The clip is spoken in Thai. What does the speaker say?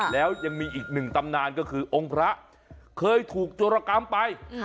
แล้วยังมีอีกหนึ่งตำนานก็คือองค์พระเคยถูกโจรกรรมไป